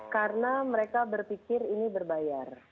karena mereka berpikir ini berbayar